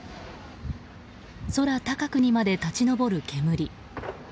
空高くにまで立ち上る煙。